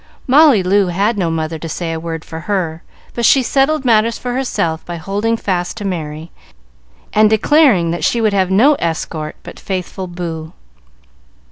Molly Loo had no mother to say a word for her, but she settled matters for herself by holding fast to Merry, and declaring that she would have no escort but faithful Boo.